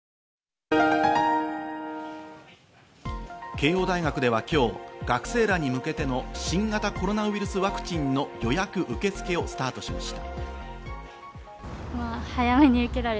慶応大学では今日、学生らに向けての新型コロナウイルスワクチンの予約受け付けをスタートしました。